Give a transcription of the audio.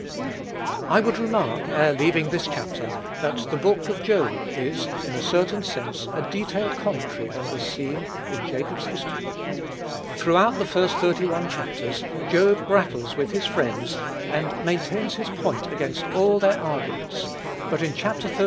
I would remark, ere leaving this chapter, that the book of Job is, in a certain sense, a detailed commentary on this scene in Jacob's history. Throughout the first thirty one chapters, Job grapples with his friends, and maintains his point against all their arguments; but in Chapter xxxii.